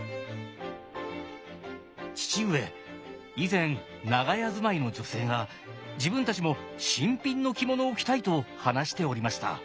「父上以前長屋住まいの女性が自分たちも新品の着物を着たいと話しておりました」。